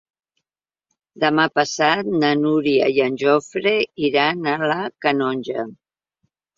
Demà passat na Núria i en Jofre iran a la Canonja.